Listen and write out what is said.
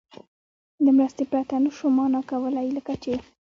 له مرستې پرته نه شو مانا کولای، لکه چې